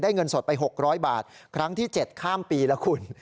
ได้เงินสดไปหกร้อยบาทครั้งที่เจ็ดข้ามปีละคุณ